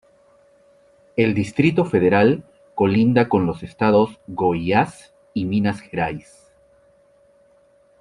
El Distrito Federal colinda con los Estados de Goiás y Minas Gerais.